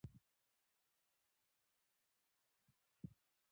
مورخينو خپل سرونه په څادر کې پټ کړي دي.